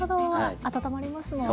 温まりますもんね。